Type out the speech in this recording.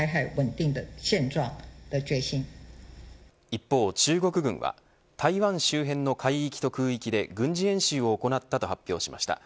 一方、中国軍は台湾周辺の海域と空域で軍事演習を行ったと発表しました。